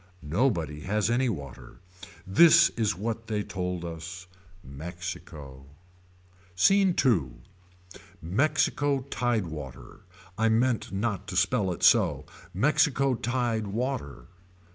Nobody has any water. This is what they told us. Mexico. SCENE II. Mexico tide water. I meant not to spell it so. Mexico tied water.